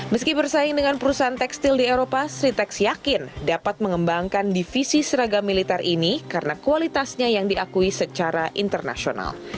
meski bersaing dengan perusahaan tekstil di eropa sriteks yakin dapat mengembangkan divisi seragam militer ini karena kualitasnya yang diakui secara internasional